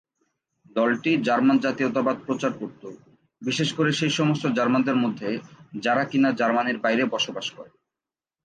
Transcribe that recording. দলটি জার্মান জাতীয়তাবাদ প্রচার করতো, বিশেষ করে সেই সমস্ত জার্মানদের মধ্যে যারা কিনা জার্মানির বাইরে বসবাস করে।